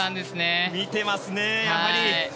見ていますね、やはり。